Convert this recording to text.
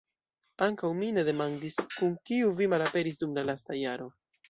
Ankaŭ mi ne demandis, kun kiu vi malaperis dum la lasta jaro.